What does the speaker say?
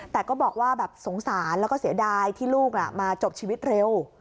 แต่ก็บอกว่าแบบสงสารแล้วก็เสียดายที่ลูกมาจบชีวิตเร็ว